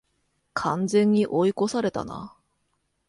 完全に追い越されたな